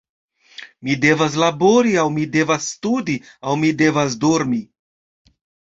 Mi devas labori, aŭ mi devas studi, aŭ mi devas dormi.